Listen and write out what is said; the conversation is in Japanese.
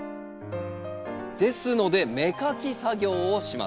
ですので芽かき作業をします。